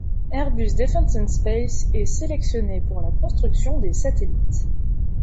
Airbus Defence and Space est sélectionné pour la construction des satellites.